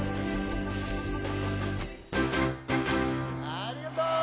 ありがとう！